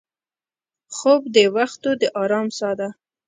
خوب د وختو د ارام سا ده